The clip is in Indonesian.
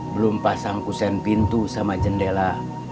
belum pasang kusen pintu sama jendela